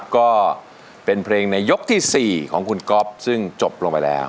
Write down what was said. ก็เป็นเพลงในยกที่๔ของคุณก๊อฟซึ่งจบลงไปแล้ว